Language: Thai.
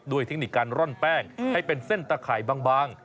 เทคนิคการร่อนแป้งให้เป็นเส้นตะข่ายบาง